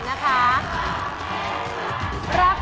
ต้องแพงกว่า๒๙บาทนะคะ